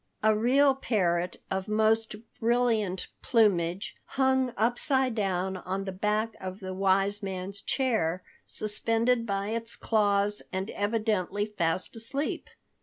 A real parrot of most brilliant plumage hung upside down on the back of the wise man's chair, suspended by its claws and evidently fast asleep.